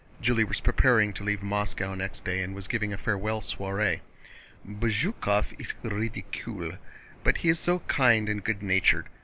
Julie was preparing to leave Moscow next day and was giving a farewell soiree. "Bezúkhov est ridicule, but he is so kind and good natured.